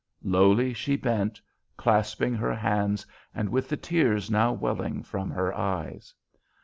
Lowly she bent, clasping her hands and with the tears now welling from her eyes.